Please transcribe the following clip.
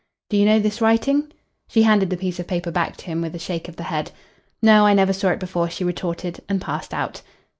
"Do you know this writing?" She handed the piece of paper back to him with a shake of the head. "No. I never saw it before," she retorted, and passed out.